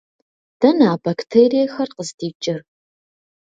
Дэнэ а бактериехэр къыздикӏыр?